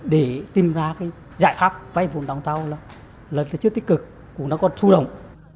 để tìm ra cái giải pháp vay vốn đóng tàu là lần đầu trước tích cực cũng nó còn thu động